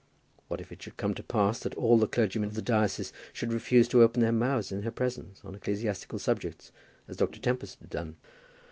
What if it should come to pass that all the clergymen of the diocese should refuse to open their mouths in her presence on ecclesiastical subjects, as Dr. Tempest had done?